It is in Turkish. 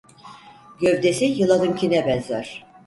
Gövdesi yılanınkine benzer.